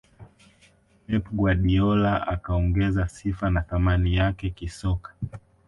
pep guardiola akaongeza sifa na thamani yake kisoka